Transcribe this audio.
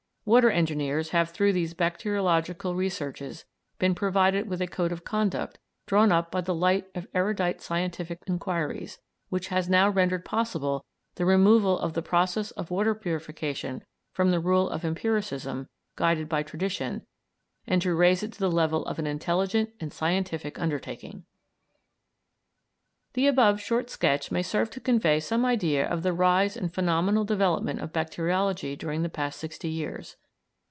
Water engineers have through these bacteriological researches been provided with a code of conduct drawn up by the light of erudite scientific inquiries, which has now rendered possible the removal of the process of water purification from the rule of empiricism guided by tradition, and to raise it to the level of an intelligent and scientific undertaking. The above short sketch may serve to convey some idea of the rise and phenomenal development of bacteriology during the past sixty years.